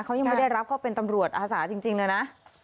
เขายังไม่ได้รับเขาเป็นตำรวจอาสาจริงเลยนะ